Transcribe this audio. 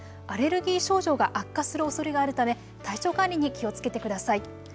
アレルギー症状が悪化するおそれがあるため体調管理に気をつけてください。